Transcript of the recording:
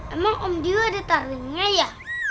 emang om dio ada taringnya ya